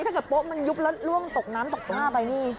โป๊ะมันยุบแล้วล่วงตกน้ำตกท่าไปนี่